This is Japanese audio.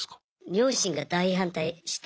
両親が大反対して。